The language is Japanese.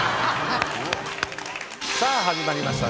さあ始まりました